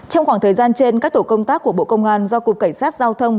trong khoảng thời gian trên các tổ công tác của bộ công an do cục cảnh sát giao thông